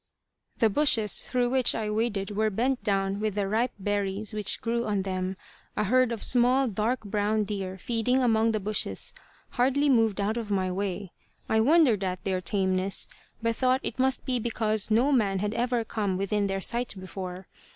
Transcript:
The bushes through which I waded were bent down with the ripe berries which grew on them. A herd of small, dark brown deer feeding among the bushes hardly moved out of my way. I wondered at their tameness, but thought it must be because no man had ever come within their sight before.